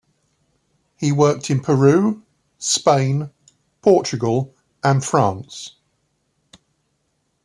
He worked in Peru, Spain, Portugal and France.